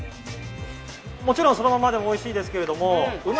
もちろんそのままでも美味しいですけれども旨